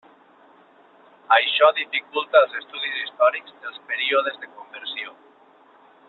Això dificulta els estudis històrics dels períodes de conversió.